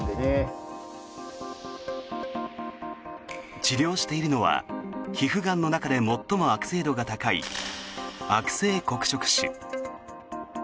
治療しているのは皮膚がんの中で最も悪性度が高い悪性黒色腫。